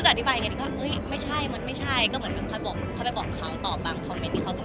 ใช่เพราะว่าเหมือนซีสันหนึ่งเล่นเป็นแฟนเก่ากัน